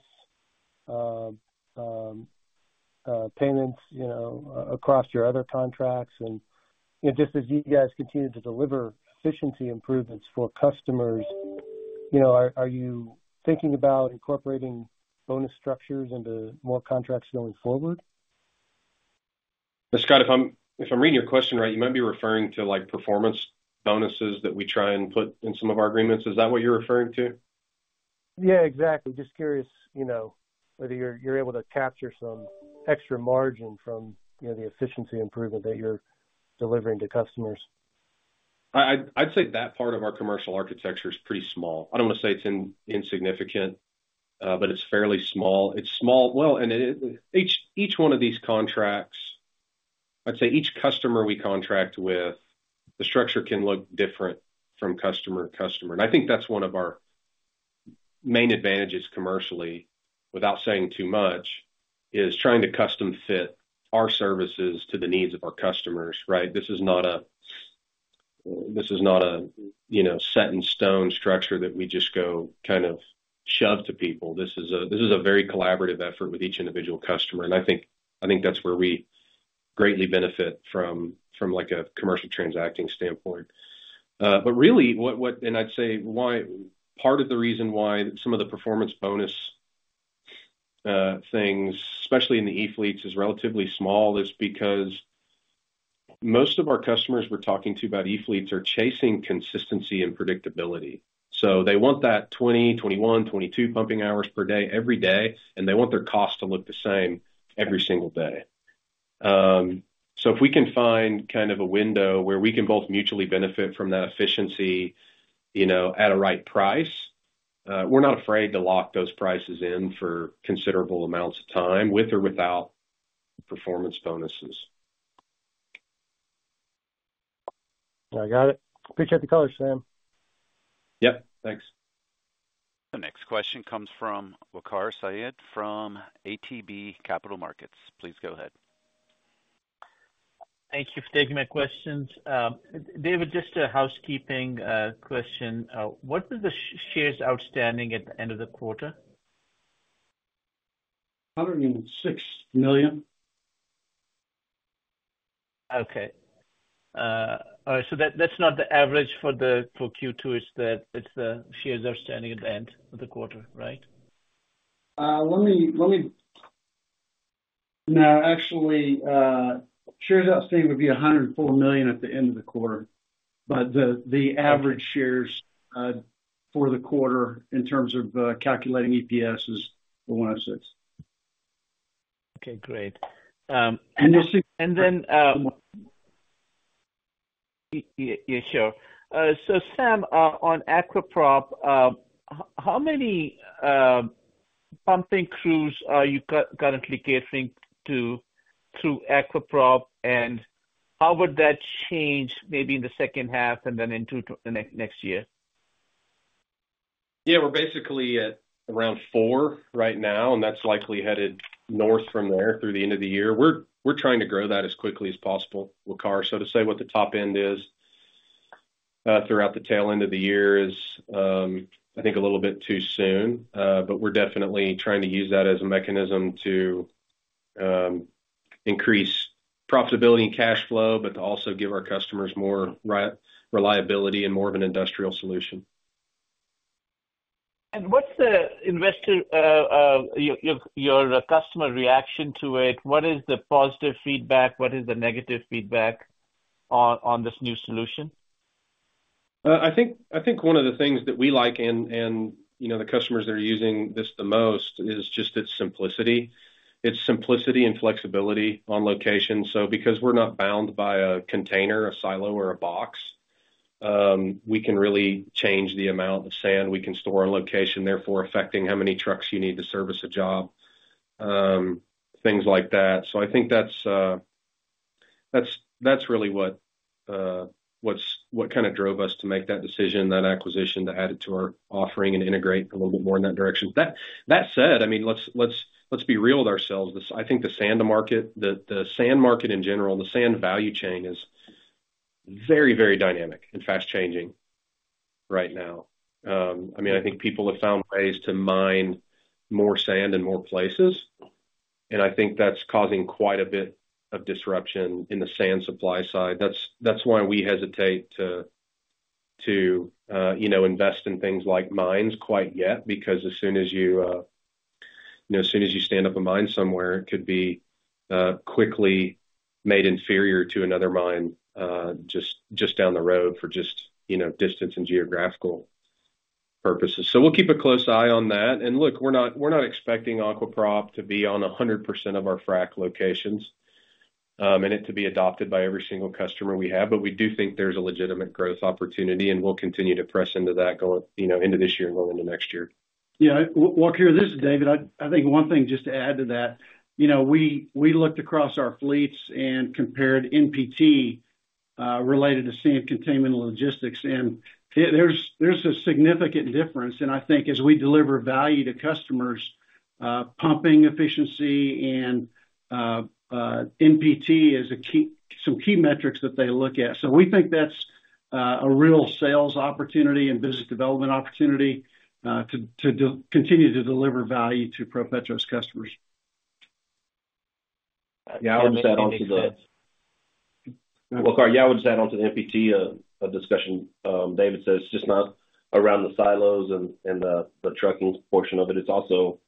payments across your other contracts? And just as you guys continue to deliver efficiency improvements for customers, are you thinking about incorporating bonus structures into more contracts going forward? Scott, if I'm reading your question right, you might be referring to performance bonuses that we try and put in some of our agreements. Is that what you're referring to? Yeah, exactly. Just curious whether you're able to capture some extra margin from the efficiency improvement that you're delivering to customers? I'd say that part of our commercial architecture is pretty small. I don't want to say it's insignificant, but it's fairly small. It's small. Well, and each one of these contracts, I'd say each customer we contract with, the structure can look different from customer to customer. And I think that's one of our main advantages commercially, without saying too much, is trying to custom-fit our services to the needs of our customers, right? This is not a set-in-stone structure that we just go kind of shove to people. This is a very collaborative effort with each individual customer. And I think that's where we greatly benefit from a commercial transacting standpoint. But really, and I'd say part of the reason why some of the performance bonus things, especially in the e-fleets, is relatively small, is because most of our customers we're talking to about e-fleets are chasing consistency and predictability. So they want that 20, 21, 22 pumping hours per day, every day, and they want their cost to look the same every single day. So if we can find kind of a window where we can both mutually benefit from that efficiency at a right price, we're not afraid to lock those prices in for considerable amounts of time with or without performance bonuses. I got it. Appreciate the call, Sam. Yep. Thanks. The next question comes from Waqar Syed from ATB Capital Markets. Please go ahead. Thank you for taking my questions. David, just a housekeeping question. What were the shares outstanding at the end of the quarter? 106 million. Okay. All right. That's not the average for Q2. It's the shares outstanding at the end of the quarter, right? Let me—no. Actually, shares outstanding would be 104 million at the end of the quarter. But the average shares for the quarter in terms of calculating EPS is 106. Okay. Great. And then. Then you're sure. So Sam, on Aqua Prop, how many pumping crews are you currently catering to through Aqua Prop, and how would that change maybe in the second half and then into next year? Yeah. We're basically at around 4 right now, and that's likely headed north from there through the end of the year. We're trying to grow that as quickly as possible. Waqar, so to say, what the top end is throughout the tail end of the year is, I think, a little bit too soon. But we're definitely trying to use that as a mechanism to increase profitability and cash flow, but to also give our customers more reliability and more of an industrial solution. What's your customer reaction to it? What is the positive feedback? What is the negative feedback on this new solution? I think one of the things that we like and the customers that are using this the most is just its simplicity. It's simplicity and flexibility on location. So because we're not bound by a container, a silo, or a box, we can really change the amount of sand we can store on location, therefore affecting how many trucks you need to service a job, things like that. So I think that's really what kind of drove us to make that decision, that acquisition, to add it to our offering and integrate a little bit more in that direction. That said, I mean, let's be real with ourselves. I think the sand market, the sand market in general, the sand value chain is very, very dynamic and fast-changing right now. I mean, I think people have found ways to mine more sand in more places. I think that's causing quite a bit of disruption in the sand supply side. That's why we hesitate to invest in things like mines quite yet because as soon as you stand up a mine somewhere, it could be quickly made inferior to another mine just down the road for just distance and geographical purposes. So we'll keep a close eye on that. And look, we're not expecting Aqua Prop to be on 100% of our frac locations and it to be adopted by every single customer we have. But we do think there's a legitimate growth opportunity, and we'll continue to press into that into this year and go into next year. Yeah. Well, I'll clarify, this is David. I think one thing just to add to that, we looked across our fleets and compared NPT related to sand containment logistics. And there's a significant difference. And I think as we deliver value to customers, pumping efficiency and NPT are some key metrics that they look at. So we think that's a real sales opportunity and business development opportunity to continue to deliver value to PROPETRO's customers. Yeah. NPT discussion David says. It's just not around the silos and the trucking portion of it. It's also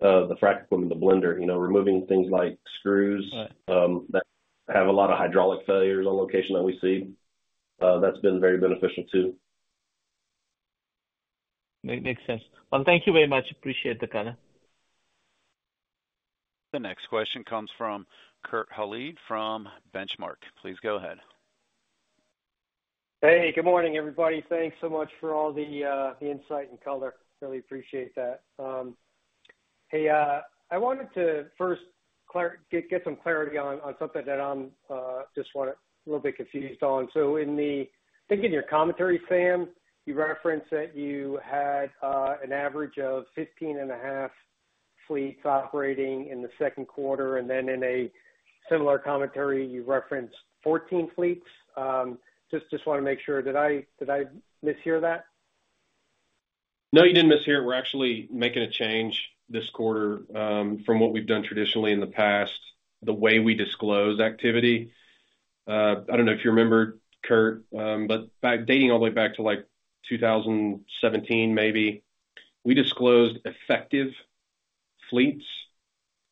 the frac equipment, the blender, removing things like screws that have a lot of hydraulic failures on location that we see. That's been very beneficial too. Makes sense. Well, thank you very much. Appreciate the color. The next question comes from Kurt Hallead from Benchmark. Please go ahead. Hey, good morning, everybody. Thanks so much for all the insight and color. Really appreciate that. Hey, I wanted to first get some clarity on something that I'm just a little bit confused on. So in your commentary, Sam, you referenced that you had an average of 15.5 fleets operating in the second quarter. And then in a similar commentary, you referenced 14 fleets. Just want to make sure. Did I mishear that? No, you didn't mishear. We're actually making a change this quarter from what we've done traditionally in the past, the way we disclose activity. I don't know if you remember, Kurt, but dating all the way back to 2017, maybe, we disclosed effective fleets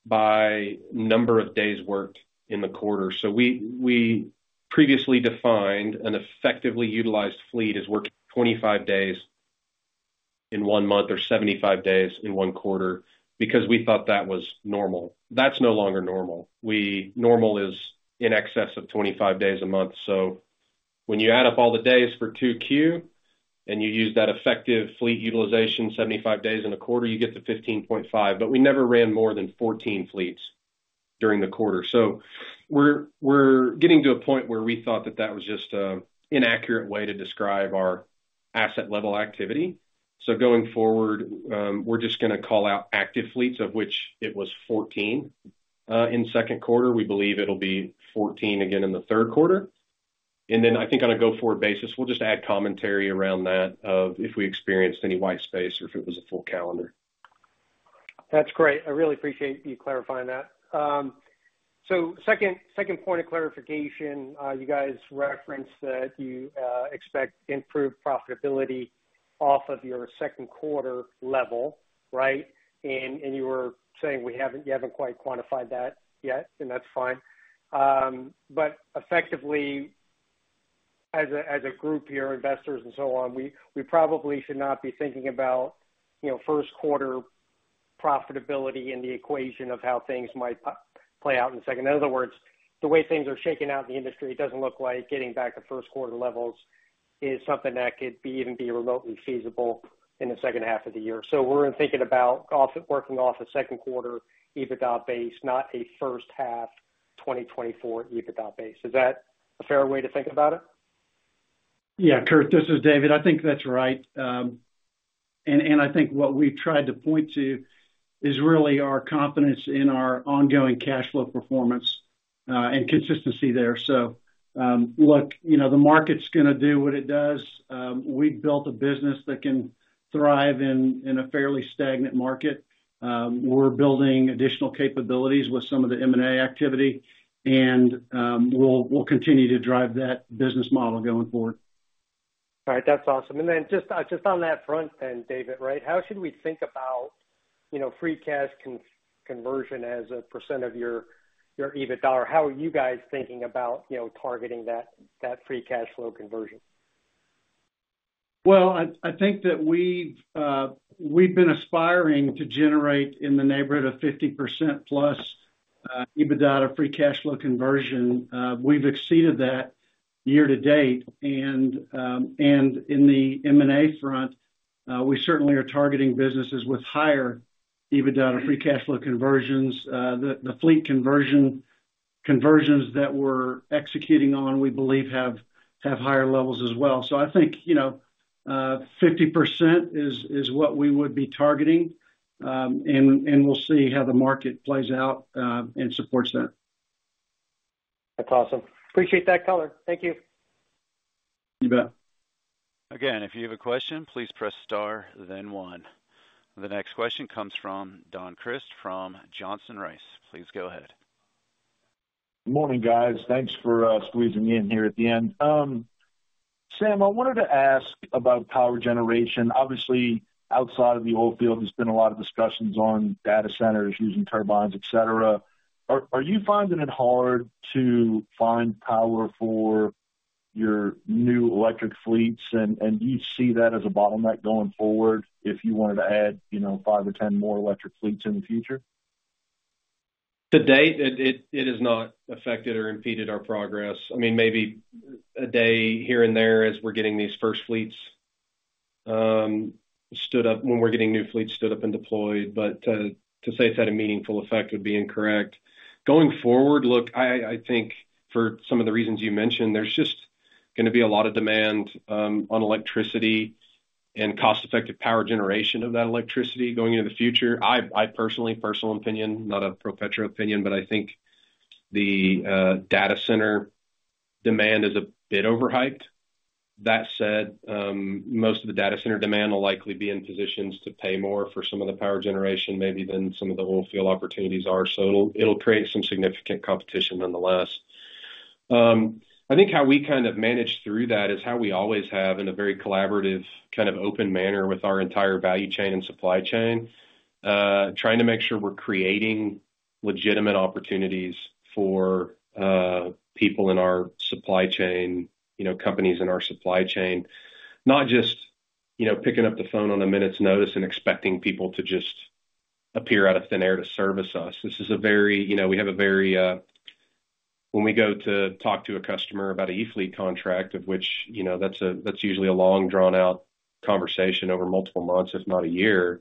by number of days worked in the quarter. So we previously defined an effectively utilized fleet as working 25 days in one month or 75 days in one quarter because we thought that was normal. That's no longer normal. Normal is in excess of 25 days a month. So when you add up all the days for 2Q and you use that effective fleet utilization, 75 days in a quarter, you get to 15.5. But we never ran more than 14 fleets during the quarter. So we're getting to a point where we thought that that was just an inaccurate way to describe our asset-level activity. Going forward, we're just going to call out active fleets, of which it was 14 in second quarter. We believe it'll be 14 again in the third quarter. Then I think on a go-forward basis, we'll just add commentary around that of if we experienced any white space or if it was a full calendar. That's great. I really appreciate you clarifying that. So second point of clarification, you guys referenced that you expect improved profitability off of your second quarter level, right? And you were saying you haven't quite quantified that yet, and that's fine. But effectively, as a group here, investors and so on, we probably should not be thinking about first quarter profitability in the equation of how things might play out in the second. In other words, the way things are shaking out in the industry, it doesn't look like getting back to first quarter levels is something that could even be remotely feasible in the second half of the year. So we're thinking about working off a second quarter EBITDA base, not a first half 2024 EBITDA base. Is that a fair way to think about it? Yeah. Kurt, this is David. I think that's right. And I think what we've tried to point to is really our confidence in our ongoing cash flow performance and consistency there. So look, the market's going to do what it does. We've built a business that can thrive in a fairly stagnant market. We're building additional capabilities with some of the M&A activity. And we'll continue to drive that business model going forward. All right. That's awesome. And then just on that front then, David, right, how should we think about free cash conversion as a % of your EBITDA? How are you guys thinking about targeting that free cash flow conversion? Well, I think that we've been aspiring to generate in the neighborhood of 50%+ EBITDA to free cash flow conversion. We've exceeded that year to date. And in the M&A front, we certainly are targeting businesses with higher EBITDA to free cash flow conversions. The fleet conversions that we're executing on, we believe, have higher levels as well. So I think 50% is what we would be targeting. And we'll see how the market plays out and supports that. That's awesome. Appreciate that color. Thank you. You bet. Again, if you have a question, please press star, then one. The next question comes from Don Crist from Johnson Rice. Please go ahead. Good morning, guys. Thanks for squeezing in here at the end. Sam, I wanted to ask about power generation. Obviously, outside of the oil field, there's been a lot of discussions on data centers using turbines, etc. Are you finding it hard to find power for your new electric fleets? And do you see that as a bottleneck going forward if you wanted to add 5 or 10 more electric fleets in the future? To date, it has not affected or impeded our progress. I mean, maybe a day here and there as we're getting these first fleets stood up when we're getting new fleets stood up and deployed. But to say it's had a meaningful effect would be incorrect. Going forward, look, I think for some of the reasons you mentioned, there's just going to be a lot of demand on electricity and cost-effective power generation of that electricity going into the future. I personally, personal opinion, not a PROPETRO opinion, but I think the data center demand is a bit overhyped. That said, most of the data center demand will likely be in positions to pay more for some of the power generation maybe than some of the oil field opportunities are. So it'll create some significant competition nonetheless. I think how we kind of manage through that is how we always have in a very collaborative kind of open manner with our entire value chain and supply chain, trying to make sure we're creating legitimate opportunities for people in our supply chain, companies in our supply chain, not just picking up the phone on a minute's notice and expecting people to just appear out of thin air to service us. When we go to talk to a customer about an e-fleet contract, of which that's usually a long, drawn-out conversation over multiple months, if not a year,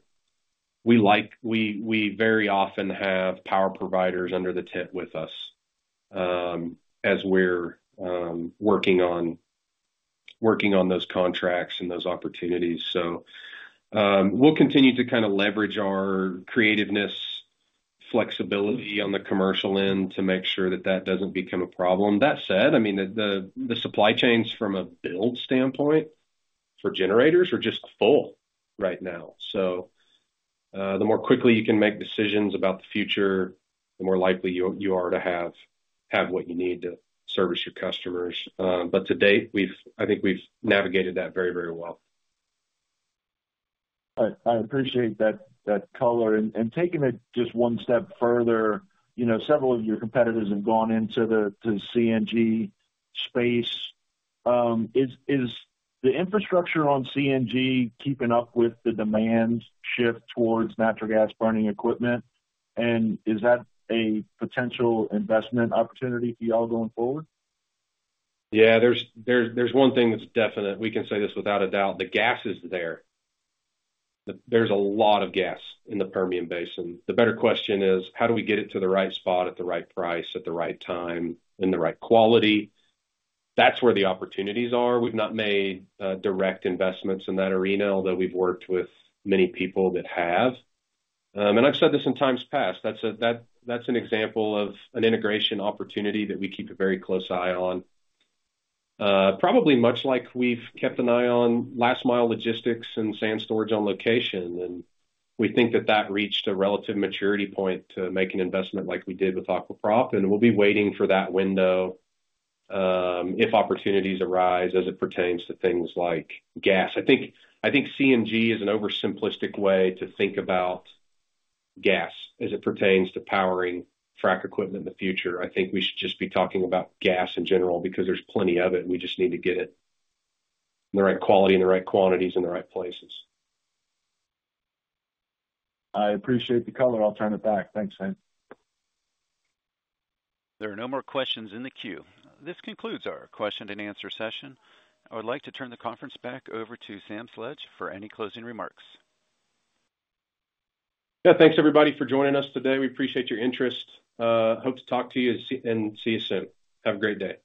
we very often have power providers under the tent with us as we're working on those contracts and those opportunities. So we'll continue to kind of leverage our creativeness, flexibility on the commercial end to make sure that that doesn't become a problem. That said, I mean, the supply chains from a build standpoint for generators are just full right now. So the more quickly you can make decisions about the future, the more likely you are to have what you need to service your customers. But to date, I think we've navigated that very, very well. All right. I appreciate that color and taking it just one step further. Several of your competitors have gone into the CNG space. Is the infrastructure on CNG keeping up with the demand shift towards natural gas burning equipment? And is that a potential investment opportunity for y'all going forward? Yeah. There's one thing that's definite. We can say this without a doubt. The gas is there. There's a lot of gas in the Permian Basin. The better question is, how do we get it to the right spot at the right price, at the right time, in the right quality? That's where the opportunities are. We've not made direct investments in that arena, although we've worked with many people that have. And I've said this in times past. That's an example of an integration opportunity that we keep a very close eye on. Probably much like we've kept an eye on last-mile logistics and sand storage on location. And we think that that reached a relative maturity point to make an investment like we did with Aqua Prop. And we'll be waiting for that window if opportunities arise as it pertains to things like gas. I think CNG is an oversimplistic way to think about gas as it pertains to powering frac equipment in the future. I think we should just be talking about gas in general because there's plenty of it. We just need to get it in the right quality, in the right quantities, in the right places. I appreciate the color. I'll turn it back. Thanks, Sam. There are no more questions in the queue. This concludes our question-and-answer session. I would like to turn the conference back over to Sam Sledge for any closing remarks. Yeah. Thanks, everybody, for joining us today. We appreciate your interest. Hope to talk to you and see you soon. Have a great day.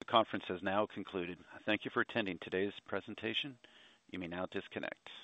The conference has now concluded. Thank you for attending today's presentation. You may now disconnect.